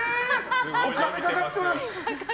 お金かかってます。